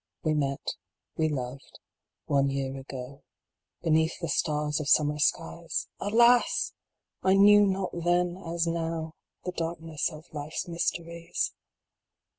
We met we loved one year ago, Beneath the stars of summer skies ; Alas ! I knew not then, as now, The darkness of life s mysteries.